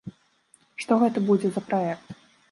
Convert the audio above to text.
Што гэта будзе за праект?